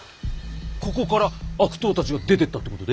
ここから悪党たちが出てったってことで？